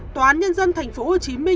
tòa án nhân dân tp hcm